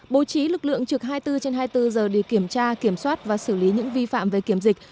bố trí lực lượng trực hai mươi bốn trên hai mươi bốn giờ để kiểm tra kiểm soát và xử lý những vi phạm về kiểm dịch